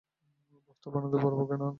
ভর্তা বানাতে পারবো না এখানে।